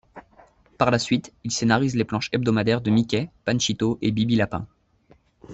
Par la suite, il scénarise les planches hebdomadaires de Mickey, Panchito et Bibi Lapin.